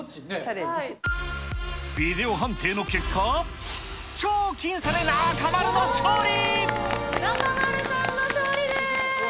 ビデオ判定の結果、超僅差で中丸さんの勝利です。